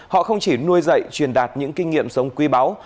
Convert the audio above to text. họ không chỉ nuôi dạy truyền đạt những kinh nghiệm sống quý báu